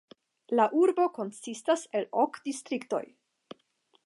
La urbo konsistas el ok distriktoj.